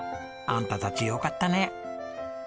あんたたちよかったね。